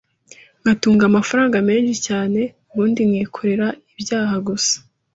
nkatunga amafaranga menshi cyane ubundi nkikorera ibyaha gusa